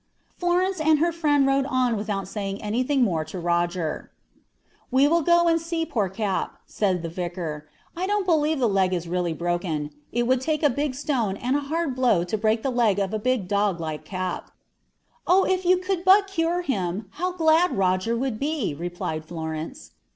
"Florence and her friend rode on without saying anything more to Roger. "'We will go and see poor Cap,' said the vicar; 'I don't believe the leg is really broken. It would take a big stone and a hard blow to break the leg of a big dog like Cap.' "'Oh, if you could but cure him, how glad Roger would be!' replied Florence.